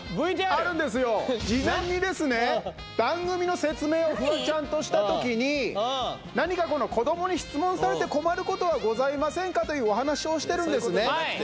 番組の説明をフワちゃんとしたときにこどもに質問されて困ることはございませんか？というお話をしてるんですね